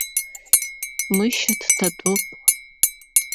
Мышьа дҭатәоуп.